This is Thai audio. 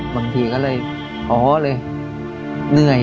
บางทีก็เลยอ๋อเลยเหนื่อย